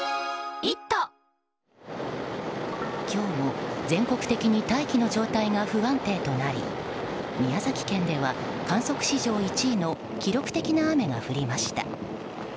今日も全国的に大気の状態が不安定となり宮崎県では観測史上１位の記録的な雨が降りました。